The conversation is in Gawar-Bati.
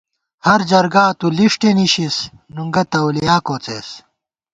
ہر جرگا تُو لِݭٹےنِشِس ، نُونگہ تولیا کوڅېس